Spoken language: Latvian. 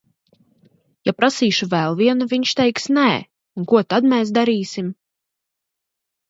Ja prasīšu vēl vienu, viņš teiks nē, un ko tad mēs darīsim?